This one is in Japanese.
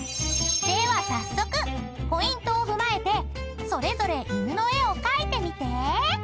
［では早速ポイントを踏まえてそれぞれ犬の絵を描いてみて］